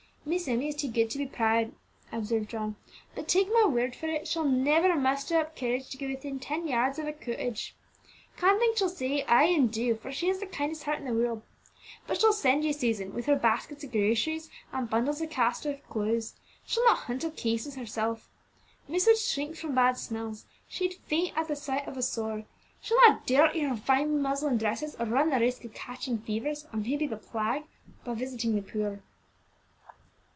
"Miss Emmie is too good to be proud," observed John; "but, take my word for it, she'll never muster up courage to go within ten yards of a cottage. Kind things she'll say, ay, and do; for she has the kindest heart in the world. But she'll send you, Susan, with her baskets of groceries and bundles of cast off clothes; she'll not hunt up cases herself. Miss would shrink from bad smells; she'd faint at the sight of a sore. She'll not dirty her fine muslin dresses, or run the risk of catching fevers, or may be the plague, by visiting the poor."